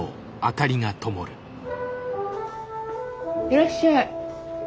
いらっしゃい。